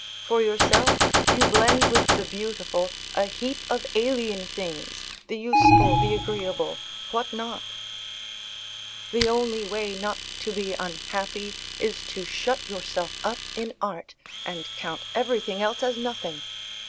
For yourself, you blend with the beautiful a heap of alien things, the useful, the agreeable, what not? The only way not to be unhappy is to shut yourself up in art, and count everything else as nothing.